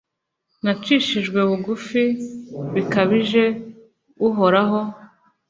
nacishijwe bugufi bikabije, uhoraho